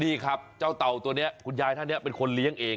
นี่ครับเจ้าเต่าตัวนี้คุณยายท่านนี้เป็นคนเลี้ยงเอง